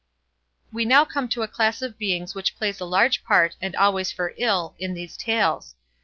We now come to a class of beings which plays a large part, and always for ill, in these Tales.